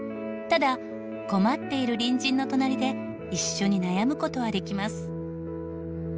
ただ困っている隣人の隣で一緒に悩む事はできます。